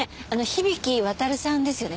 響木亘さんですよね？